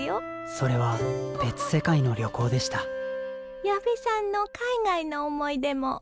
それは別世界の旅行でした矢部さんの海外の思い出もお聞きしたいわ。